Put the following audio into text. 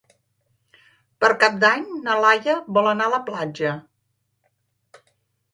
Per Cap d'Any na Laia vol anar a la platja.